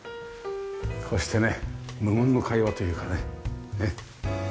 こうしてね無言の会話というかね。